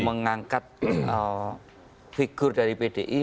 mengangkat figur dari pdi